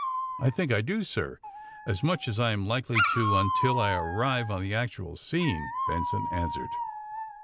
*^I think I do, sir, as much as I am likely to until I arrive on the actual scene," Benson an swered.